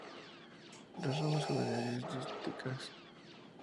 Las ramas juveniles dísticas.